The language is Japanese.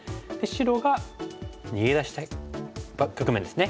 白が逃げ出した局面ですね。